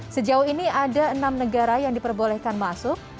sejauh ini ada enam negara yang diperbolehkan masuk